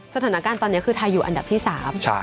สถานการณ์ตอนนี้คือไทยอยู่อันดับที่๓